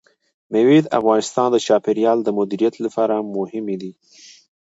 مېوې د افغانستان د چاپیریال د مدیریت لپاره مهم دي.